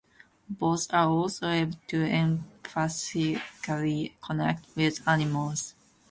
Both are also able to empathically connect with animals.